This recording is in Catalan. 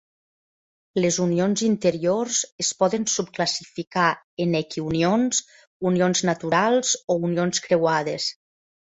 Les unions interiors es poden subclassificar en equiunions, unions naturals o unions creuades.